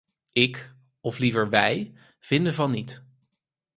Ik – of liever: wij – vinden van niet.